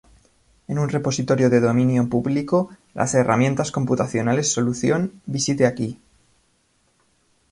En un repositorio de dominio público las herramientas computacionales solución, visite aquí.